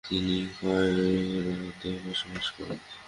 তিনি কায়রোতে বসবাস করেন।